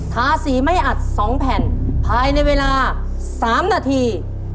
ทาสีไม่อัด๒แผ่นภายในเวลา๓นาที